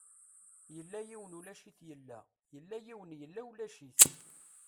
Yella yiwen ulac-it yella, yella yiwen yella ulac-it.